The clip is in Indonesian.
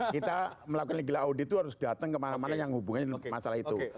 kita melakukan legal audit itu harus datang kemana mana yang hubungannya dengan masalah itu